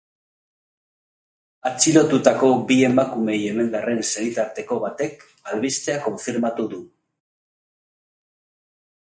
Atxilotutako bi emakume yemendarren senitarteko batek albistea konfirmatu du.